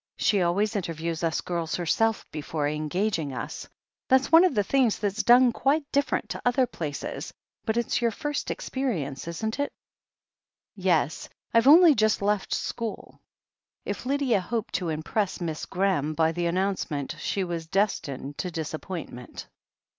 She always in terviews us girls herself before engaging us. That's one of the things that's done quite different to other places. But it's your first experience, isn't it?" "Yes. Fve only just left school." If Lydia hoped to impress Miss Graham by the an nouncement, she was destined to disappointment.